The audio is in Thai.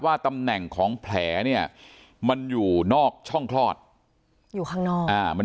ตำแหน่งของแผลเนี่ยมันอยู่นอกช่องคลอดอยู่ข้างนอกอ่ามัน